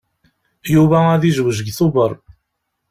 Yuba ad yezweǧ deg Tubeṛ.